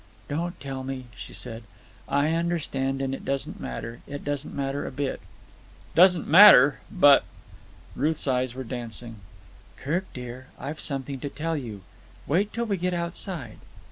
"Don't tell me," she said. "I understand. And it doesn't matter. It doesn't matter a bit." "Doesn't matter? But——" Ruth's eyes were dancing. "Kirk, dear, I've something to tell you. Wait till we get outside."